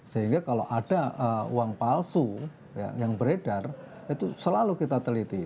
sehingga kalau ada uang palsu yang beredar itu selalu kita teliti